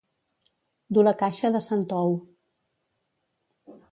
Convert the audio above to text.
Dur la caixa de sant Ou.